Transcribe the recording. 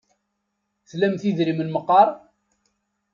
Tlamt idrimen meqqar?